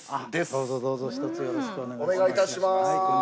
どうぞどうぞひとつよろしくお願いします。